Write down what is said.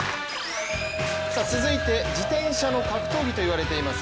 続いて、自転車の格闘技といわれています